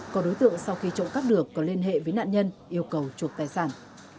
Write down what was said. có đối tượng sau khi trộm cắp được có liên hệ với nạn nhân yêu cầu chuộc tài sản